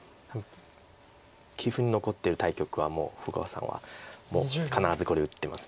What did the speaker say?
棋譜に残ってる対局は福岡さんはもう必ずこれ打ってます。